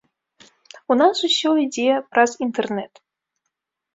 У нас усё ідзе праз інтэрнэт.